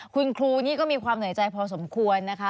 คุณครูนี่ก็มีความเหนื่อยใจพอสมควรนะคะ